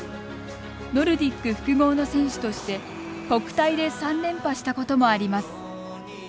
ノルディック複合の選手として国体で３連覇したこともあります。